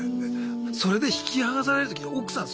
それで引き離される時奥さん